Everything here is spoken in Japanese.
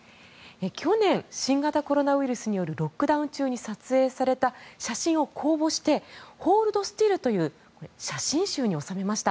去年、新型コロナウイルスによるロックダウン中に撮影された写真を公募して「ホールドスティル」という写真集に収めました。